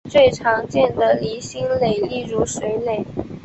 最常见的离心泵例如水泵。